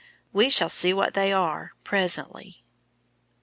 We shall see what they are presently.